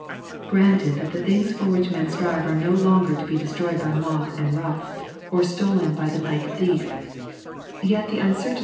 Granted that the things for which men strive are no longer to be destroyed by moth and rust, or stolen by the night thief, yet the uncertainty 3.